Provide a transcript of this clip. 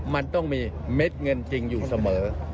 มันต้องมีเม็ดเงินจริงอยู่เสมอ